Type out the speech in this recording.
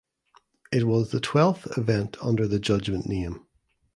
It was the twelfth event under the Judgement name.